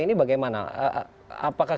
ini bagaimana apakah